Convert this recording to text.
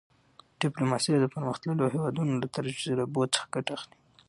ډیپلوماسي د پرمختللو هېوادونو له تجربو څخه ګټه اخلي.